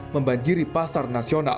membanjiri pasar nasional